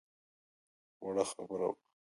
وړه خبره وه.